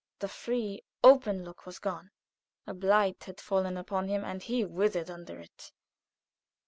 The free, open look was gone; a blight had fallen upon him, and he withered under it.